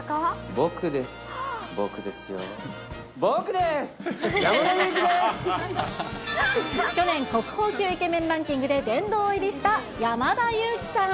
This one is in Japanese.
僕ですよ、去年、国宝級イケメンランキングで殿堂入りした山田裕貴さん。